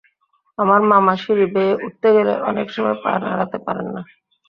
আমার মামা সিঁড়ি বেয়ে উঠতে গেলে অনেক সময় পা নাড়াতে পারেন না।